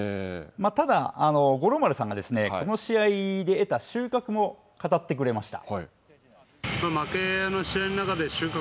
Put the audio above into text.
ただ、五郎丸さんが、この試合で得た収穫も語ってくれました。